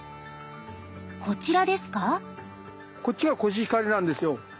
こちらですか？